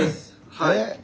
はい。